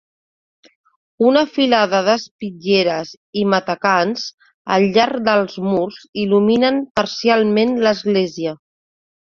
Una filada d'espitlleres i matacans al llarg dels murs il·luminen parcialment l'església.